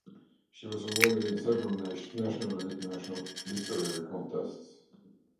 She was awarded in several national and international literary contests.